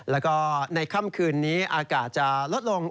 แล้วก็ในค่ำคืนนี้อากาศจะลดลง